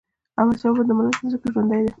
احمدشاه بابا د ملت په زړه کي ژوندی دی.